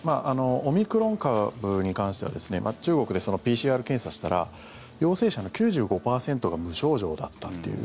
オミクロン株に関しては中国でＰＣＲ検査をしたら陽性者の９５％が無症状だったという。